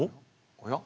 おや？